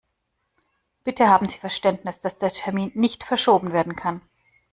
Bitte haben Sie Verständnis, dass der Termin nicht verschoben werden kann.